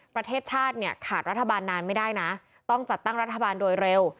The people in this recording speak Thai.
ประเทศชาติเนี่ยขาดรัฐบาลนานไม่ได้นะต้องจัดตั้งรัฐบาลโดยเร็ว